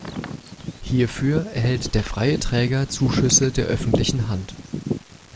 Hierfür erhält der freie Träger Zuschüsse der öffentlichen Hand.